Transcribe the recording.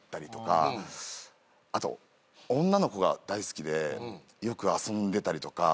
あと女の子が大好きでよく遊んでたりとか。